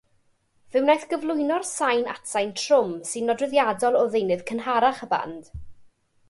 Fe wnaeth gyflwyno'r sain atsain trwm sy'n nodweddiadol o ddeunydd cynharach y band.